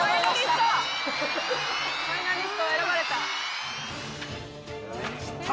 ファイナリスト選ばれました。